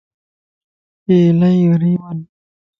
اي الائي غريبن